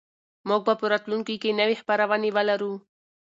موږ به په راتلونکي کې نوې خپرونې ولرو.